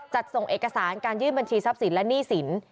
ส่งเอกสารการยื่นบัญชีทรัพย์สินและหนี้สิน